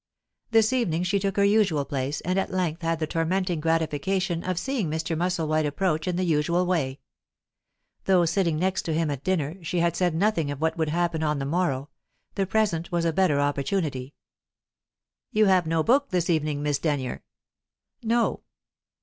This evening she took her usual place, and at length had the tormenting gratification of seeing Mr. Musselwhite approach in the usual way. Though sitting next to him at dinner, she had said nothing of what would happen on the morrow; the present was a better opportunity. "You have no book this evening, Miss Denyer!" "No."